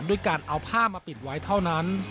ด้วยการเอาผ้ามาปิดไว้เท่านั้น